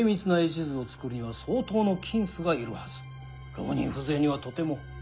浪人風情にはとても。